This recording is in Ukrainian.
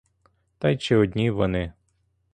Та й чи одні вони!